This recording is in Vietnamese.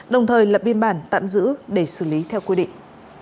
đồng thời lập biên bản tạm giữ để xử lý theo quy định